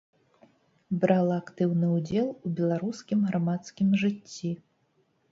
Брала актыўны ўдзел у беларускім грамадскім жыцці.